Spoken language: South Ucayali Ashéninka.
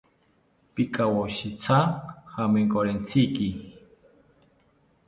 Pikawoshitya jamenkorentziki